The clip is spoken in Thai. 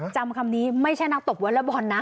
จำคำนี้ไม่ใช่นักตบเวลบอลนะ